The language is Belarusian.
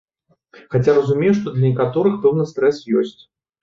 Хаця разумею, што для некаторых пэўны стрэс ёсць.